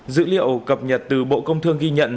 dữ liệu cập nhật từ bộ công thương ghi nhận